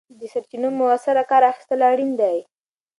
د سرچینو مؤثره کار اخیستل اړین دي.